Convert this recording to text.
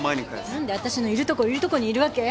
何で私のいるとこいるとこにいるわけ？